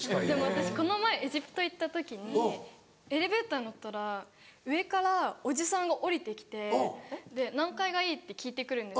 私この前エジプト行った時にエレベーター乗ったら上からおじさんが下りてきて「何階がいい？」って聞いてくるんです。